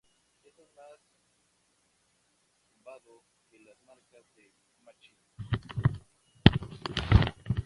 Está más zumbado que las maracas de Machín